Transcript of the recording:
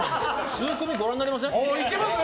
数組ご覧になりません？